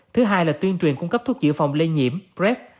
thứ hai là tuyên truyền cung cấp thuốc dự phòng lây nhiễm prep